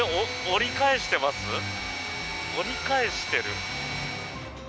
折り返してる。